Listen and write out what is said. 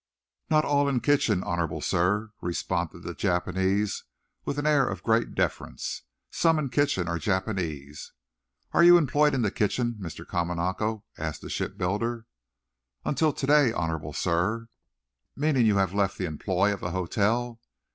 "Not all in kitchen, honorable sir," responded the Japanese, with an air of great deference. "Some in kitchen are Japanese." "Are you employed in the kitchen, Mr. Kamanako?" asked the shipbuilder. "Until to day, honorable sir." "Meaning you have left the employ of the hotel?"